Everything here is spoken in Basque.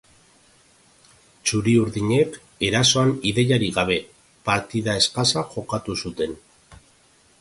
Txuri-urdinek, erasoan ideiarik gabe, partida eskasa jokatu zuten.